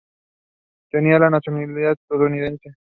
Tenía la nacionalidad estadounidense.